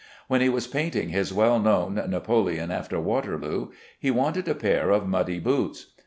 When he was painting his well known "Napoleon after Waterloo," he wanted a pair of muddy boots.